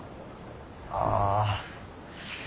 ああ。